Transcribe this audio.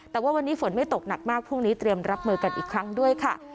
แต่ว่าวันนี้ฝนไม่ตกหนักมากพรุ่งนี้เตรียมรับมือกันอีกครั้งด้วยค่ะ